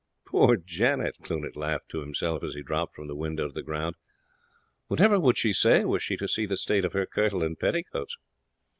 "Poor Janet!" Cluny laughed to himself as he dropped from the window to the ground. "Whatever would she say were she to see the state of her kirtle and petticoats!"